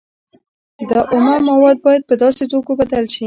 دا اومه مواد باید په داسې توکو بدل شي